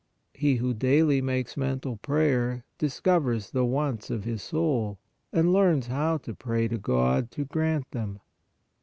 He who daily makes mental prayer, discovers the wants of his soul, and learns how to pray to God to grant them.